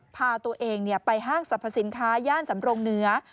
พาตัวเองไปห้างสรรพสินค้าย่านสำรงเหนือ